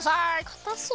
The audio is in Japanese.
かたそう。